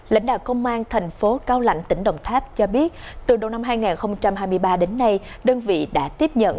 lãnh đạo công an thành phố cao lạnh tỉnh đồng tháp cho biết từ đầu năm hai nghìn hai mươi ba đến nay đơn vị đã tiếp nhận